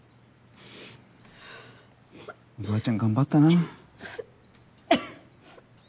おばあちゃん頑張ったな。